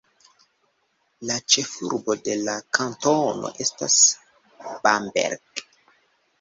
La ĉefurbo de la kantono estas Bamberg.